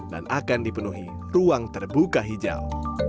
dan akan dipenuhi ruang terbuka hijau